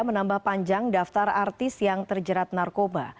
menambah panjang daftar artis yang terjerat narkoba